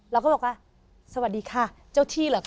เราก็บอกว่าสวัสดีค่ะเจ้าที่เหรอคะ